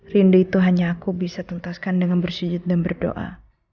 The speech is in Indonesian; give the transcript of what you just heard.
rindu itu hanya aku bisa tuntaskan dengan bersujud dan berdoa